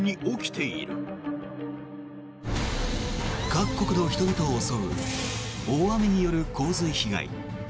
各国の人々を襲う大雨による洪水被害。